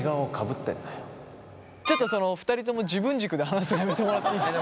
ちょっとその２人とも自分軸で話すのやめてもらっていいですか？